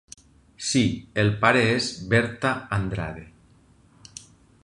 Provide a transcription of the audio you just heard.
Sí, el pare és Berta Andrade.